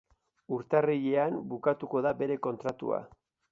Urtarrilean bukatuko da bere kontratua.